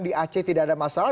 di aceh tidak ada masalah